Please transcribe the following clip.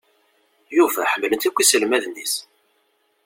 Yuba, ḥemmlen-t akk yiselmaden-is